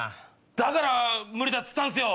だから無理だっつったんすよ。